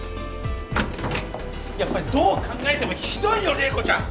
・やっぱりどう考えてもひどいよ麗子ちゃん！